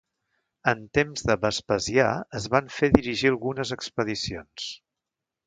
En temps de Vespasià es van fer dirigir algunes expedicions.